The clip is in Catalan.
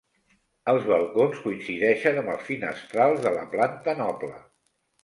Els balcons coincideixen amb els finestrals de la planta noble.